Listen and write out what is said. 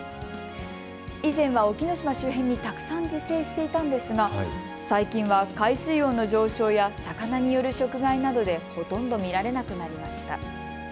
以前は沖ノ島周辺にたくさん自生していたんですが最近は海水温の上昇や魚による食害などでほとんど見られなくなりました。